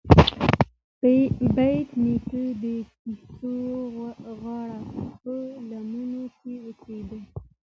بېټ نیکه د کسي غره په لمنو کې اوسیده.